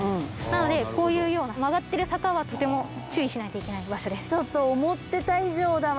なのでこういうような曲がってる坂はとても注意しなきゃいけない場所です。